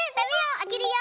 あけるよ。